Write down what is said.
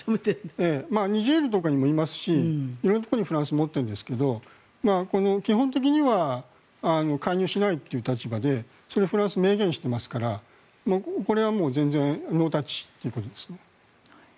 ニジェールとかにもいますし色んなところにフランス、持ってるんですが基本的には介入しないという立場でそれはフランスは明言していますからこれは全然ノータッチということですね。